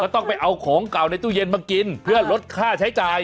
ต้องไปเอาของเก่าในตู้เย็นมากินเพื่อลดค่าใช้จ่าย